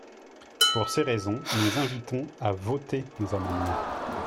Pour ces raisons, nous invitons à voter nos amendements.